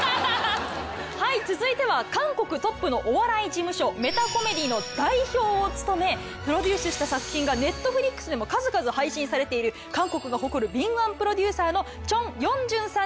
はい続いては韓国トップのお笑い事務所ＭＥＴＡＣＯＭＥＤＹの代表を務めプロデュースした作品がＮｅｔｆｌｉｘでも数々配信されている韓国が誇る敏腕プロデューサーのチョン・ヨンジュンさんです。